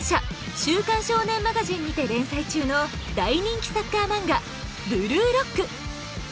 『週刊少年マガジン』にて連載中の大人気サッカー漫画『ブルーロック』。